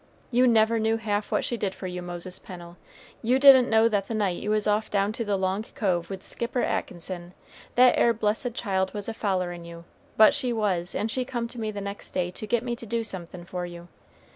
You never knew half what she did for you, Moses Pennel, you didn't know that the night you was off down to the long cove with Skipper Atkinson, that 'ere blessed child was a follerin' you, but she was, and she come to me next day to get me to do somethin' for you.